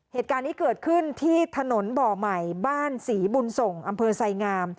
เหตุการณ์นี้เกิดขึ้นที่ถนนบ่อใหม่บ้านศรีบุญส่งอำเภอไสงาม